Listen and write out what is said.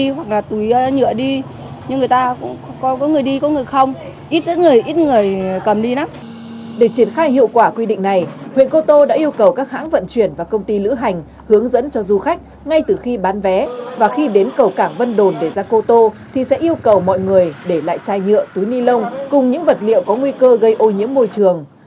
huyện cô tô đã yêu cầu các hãng vận chuyển và công ty lữ hành hướng dẫn cho du khách ngay từ khi bán vé và khi đến cầu cảng vân đồn để ra cô tô thì sẽ yêu cầu mọi người để lại chai nhựa túi ni lông cùng những vật liệu có nguy cơ gây ô nhiễm môi trường